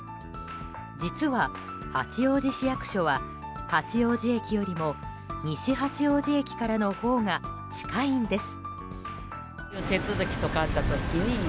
実は、八王子市役所は八王子駅よりも西八王子駅からのほうが近いんです。